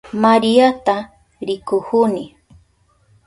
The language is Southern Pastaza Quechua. Mariata rikuhuni.